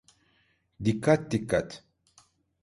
Dikkat dikkat!